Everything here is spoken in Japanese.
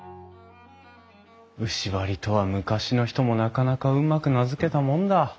牛梁とは昔の人もなかなかうまく名付けたもんだ。